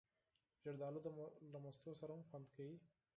زردالو له مستو سره هم خوند لري.